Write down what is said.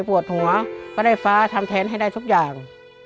ปวดหัวก็ได้ฟ้าทำแทนให้ได้ทุกอย่าง